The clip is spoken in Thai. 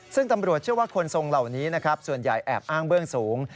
ซึ่งตำรวจเชื่อว่าคนทรงเหล่านี้นะครับส่วนใหญ่แอบอ้างเบื้องสูง